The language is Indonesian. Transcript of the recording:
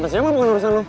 apa sih apa bukan urusan lo